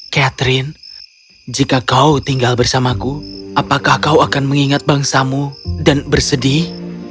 catherine jika kau tinggal bersamaku apakah kau akan mengingat bangsamu dan bersedih